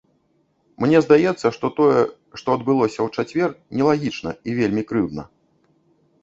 Мне здаецца, што тое, што адбылося ў чацвер, нелагічна і вельмі крыўдна.